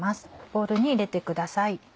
ボウルに入れてください。